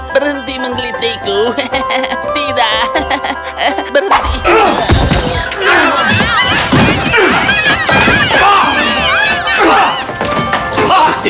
berhenti menggelitiku tidak berhenti